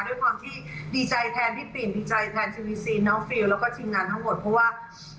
ด้วยความที่ดีใจแทนพี่ปิ่นดีใจแทนทีวีซีนน้องฟิลแล้วก็ทีมงานทั้งหมดเพราะว่า